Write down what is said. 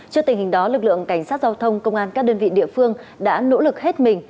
trước tình hình đó lực lượng cảnh sát giao thông công an các đơn vị địa phương đã nỗ lực hết mình